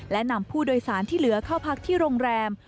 และนำผู้โดยสารที่เหลือเข้าพักที่โรงแรม